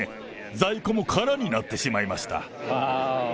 在庫も空になってしまいました。